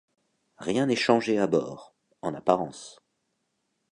Rien n’est changé à bord, — en apparence.